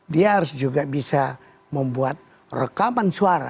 dia harus juga bisa membuat rekaman suara